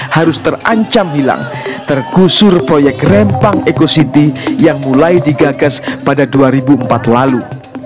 harus terancam hilang tergusur proyek rempang ecositi yang mulai digagas pada dua ribu empat lalu